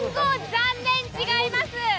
残念違います。